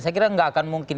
saya kira tidak akan mungkin